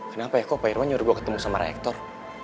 kenapa ya kok pak irwan nyuruh gue ketemu sama reaktor